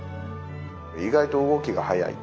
意外と動きが速い。